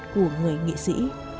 của người nghệ sĩ